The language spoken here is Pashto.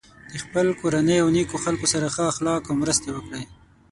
د خپل کورنۍ او نیکو خلکو سره ښه اخلاق او مرستې وکړی.